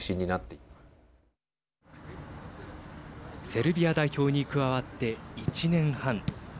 セルビア代表に加わって１年半。